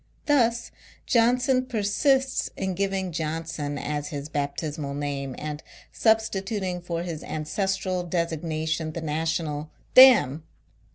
Thus, John son persists in giving Johnson as his bap tismal name, and substituting for his ancestral designation the national " Dam !